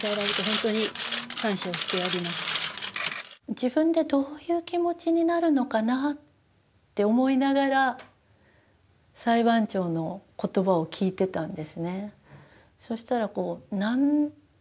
自分でどういう気持ちになるのかなって思いながら裁判長の言葉を聞いてたんですね。